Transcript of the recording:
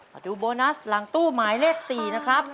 มาดูโบนัสหลังตู้หมายเลข๔นะครับ